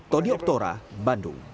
tony oktora bandung